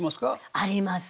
あります。